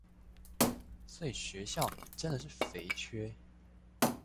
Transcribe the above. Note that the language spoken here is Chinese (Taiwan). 所以學校真的是肥缺